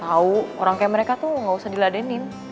tau orang kayak mereka tuh ga usah diladenin